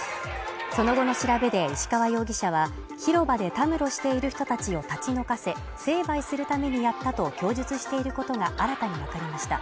その後の調べで石川容疑者は広場でたむろしている人たちを立ち退かせ、成敗するためにやったと供述していることが新たにわかりました。